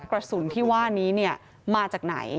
กระสุนพี่ว่านี้เนี่ยมาจากไหน